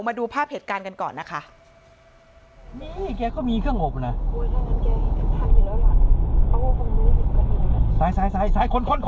มาดูภาพเหตุการณ์กันก่อนนะคะ